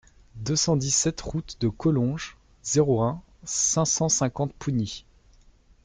deux cent dix-sept route de Collonges, zéro un, cinq cent cinquante Pougny